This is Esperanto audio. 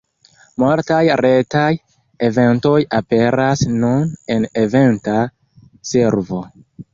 Multaj retaj eventoj aperas nun en Eventa Servo.